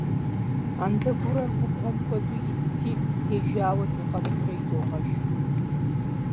Андэгурэр губгъуэм куэду итти, дежауэ дукъэбзурэ идогъэшх.